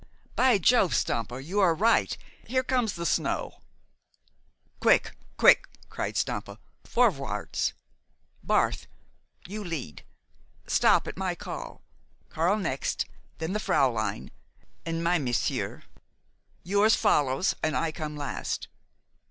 "By Jove, Stampa! you are right! Here comes the snow." "Quick, quick!" cried Stampa. "Vorwärtz, Barth. You lead. Stop at my call. Karl next then the fräulein and my monsieur. Yours follows, and I come last."